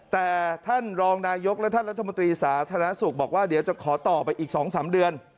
แต่ท่านรองนายกและท่านรัฐมนตรีสาธารณสุขบอกว่าเดี๋ยวจะขอต่อไปอีก๒๓เดือน